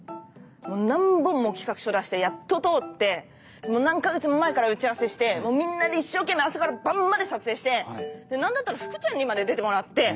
何本も企画書出してやっと通って何か月も前から打ち合わせしてみんなで一生懸命朝から晩まで撮影して何だったら福ちゃんにまで出てもらって！